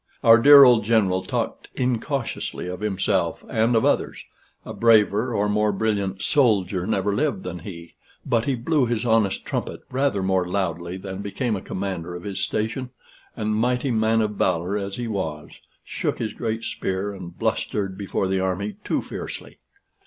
Our dear old general talked incautiously of himself and of others; a braver or a more brilliant soldier never lived than he; but he blew his honest trumpet rather more loudly than became a commander of his station, and, mighty man of valor as he was, shook his great spear and blustered before the army too fiercely.